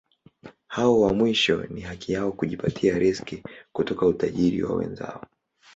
Hao wa mwisho ni haki yao kujipatia riziki kutoka utajiri wa wenzao.